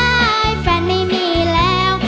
จีบนายแฟนไม่มีแล้ว